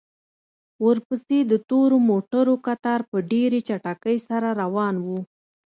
ورپسې د تورو موټرو کتار په ډېرې چټکۍ سره روان و.